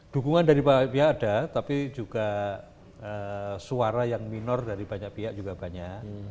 dukungan dari banyak pihak ada tapi juga suara yang minor dari banyak pihak juga banyak